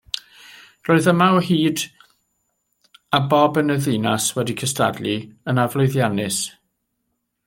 Roedd Yma o Hyd a Bob yn y Ddinas wedi cystadlu, yn aflwyddiannus.